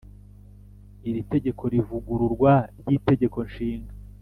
Iri tegeko rivugururwa ry’Itegeko Nshinga